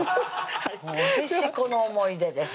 へしこの思い出です